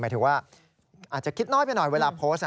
หมายถึงว่าอาจจะคิดน้อยไปหน่อยเวลาโพสต์